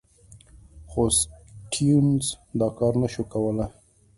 خو سټیونز دا کار نه شو کولای.